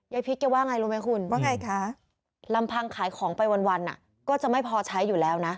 พริกแกว่าไงรู้ไหมคุณว่าไงคะลำพังขายของไปวันก็จะไม่พอใช้อยู่แล้วนะ